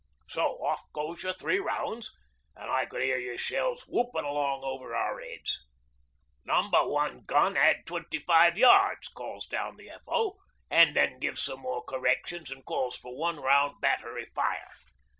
So off goes your three rounds, an' I could hear your shells whoopin' along over our heads. '"Number One gun add twenty five yards," calls down the F.O., an' then gives some more corrections an' calls for one round battery fire.